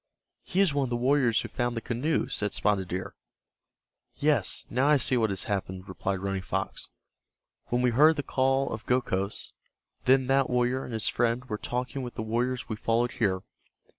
"He is one of the warriors who found the canoe," said Spotted Deer. "Yes, now I see what has happened," replied Running Fox. "When we heard the calls of Gokhos, then that warrior and his friend were talking with the warriors we followed here.